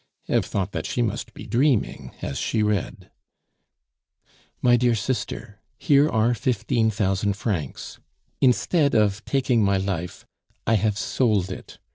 Eve thought that she must be dreaming as she read: "MY DEAR SISTER, Here are fifteen thousand francs. Instead of taking my life, I have sold it.